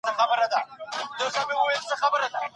دلته ډېر چاڼ د لوړ ږغ په بدرګه راوړل کیږي.